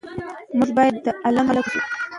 موږ باید د عمل خلک اوسو.